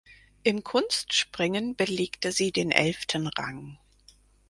Im Kunstspringen belegte sie den elften Rang.